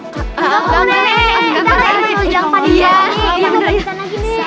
mau bilang nenek budak